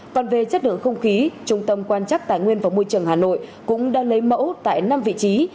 còn về chất lượng không khí trung tâm quan trắc tài nguyên và môi trường hà nội cũng đã lấy mẫu tại năm vị trí